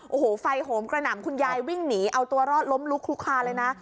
โอ้โหไฟโหมกระหน่ำคุณยายวิ่งหนีเอาตัวรอดล้มลุกลุกคาเลยนะ